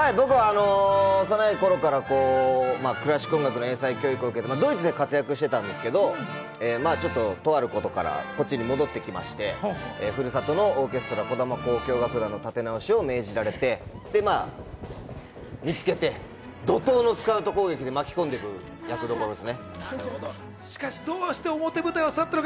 幼い頃からクラシック音楽の英才教育を受けてドイツで活躍してたんですけど、とあることから後に戻ってきて、ふるさとのオーケストラの児玉交響楽団の立て直しを命じられて、見つけて、怒涛のスカウト攻撃で巻き込んでいく役どころです。